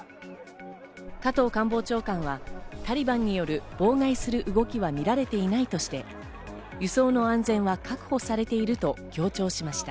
加藤官房長官はタリバンによる妨害する動きはみられていないとして、輸送の安全は確保されていると強調しました。